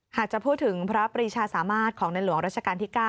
หากจะพูดถึงพระปรีชาสามารถของในหลวงราชการที่๙